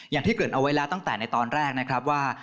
อย่างที่เกิดเอาไว้แล้วตั้งแต่ในตอนแรกนะครับว่า